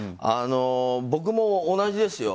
僕も同じですよ。